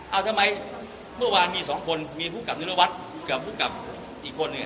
เอาทำไมเมื่อวานมีสองคนมีภูมิกับนิรวัตรกับผู้กลับอีกคนหนึ่ง